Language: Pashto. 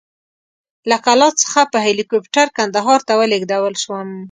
له کلات څخه په هلیکوپټر کندهار ته ولېږدول شوم.